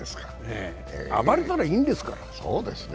暴れたらいいんですから。